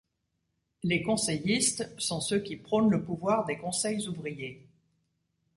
Les conseillistes sont ceux qui prônent le pouvoir des conseils ouvriers.